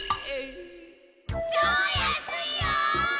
超安いよ！